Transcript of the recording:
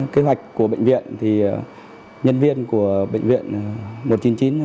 kế hoạch của bệnh viện thì nhân viên của bệnh viện một trăm chín mươi chín